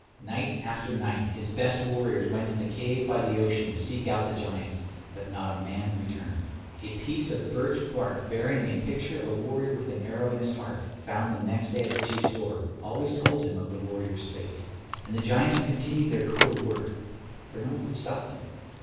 Night after night his best warriors went to the cave by the ocean to seek out the giants, but not a man returned. A piece of birch bark bearing a picture of a warrior with an arrow in his heart, found the next day at the Chief's door, always told him of the warrior's fate. And the giants continued their cruel work, for no one could stop them.